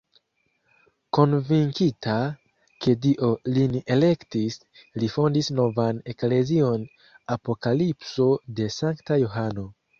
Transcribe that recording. Konvinkita, ke Dio lin elektis, li fondis novan eklezion Apokalipso de sankta Johano.